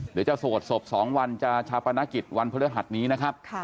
เดี๋ยวจะโสดศพ๒วันจะชาปนกิจวันพฤหัสนี้นะครับ